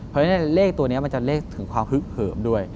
เพราะฉะนั้นเลขตัวนี้มันจะเลขถึงความฮึกเหิมด้วย